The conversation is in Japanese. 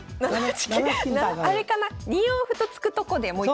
７八金あれかな２四歩と突くとこでもう一回。